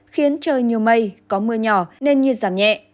khiến trời nhiều mây có mưa nhỏ nên nhiệt giảm nhẹ